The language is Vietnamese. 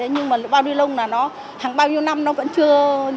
nhưng mà bao ly lông là nó hàng bao nhiêu năm nó vẫn chưa